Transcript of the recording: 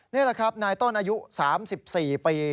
นี่แหละครับนายต้นอายุ๓๔ปี